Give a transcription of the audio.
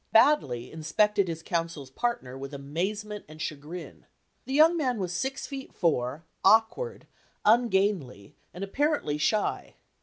Baddeley inspected his counsel's partner with amazement and chagrin. The young man was six feet four, awkward, ungainly and appar ently shy.